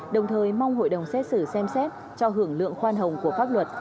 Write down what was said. đồng thời mong hội đồng xét xử xem xét cho hưởng lượng khoan hồng của pháp luật